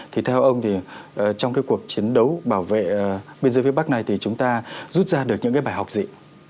thì theo ông thì trong cái cuộc chiến đấu bảo vệ biên giới phía bắc này thì chúng ta rút ra được những cái bài học gì